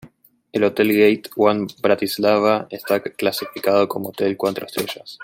El Hotel Gate One Bratislava está clasificado como hotel cuatro estrellas.